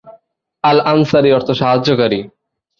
আল-আনসারী অর্থ সাহায্যকারী।